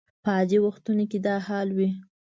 په عادي وختونو کې دا حال وي.